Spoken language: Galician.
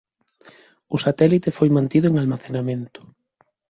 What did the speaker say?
O satélite foi mantido en almacenamento.